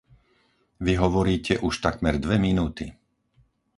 Vy hovoríte už takmer dve minúty.